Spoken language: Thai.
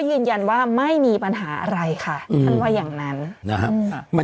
ยืนยันว่าไม่มีปัญหาอะไรค่ะท่านว่าอย่างนั้นนะครับ